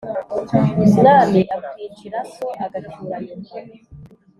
Umwami akwicira so agacyura nyoko.